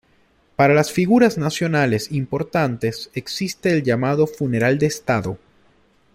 Para las figuras nacionales importantes existe el llamado funeral de Estado.